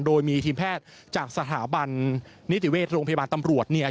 โดยมีทีมแพทย์จากสถาบันนิติเวชโรงพยาบาลตำรวจเนี่ย